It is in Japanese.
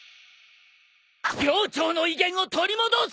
寮長の威厳を取り戻す！